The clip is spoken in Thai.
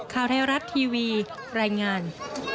ข่าวไทยรัฐทีวีรายงาน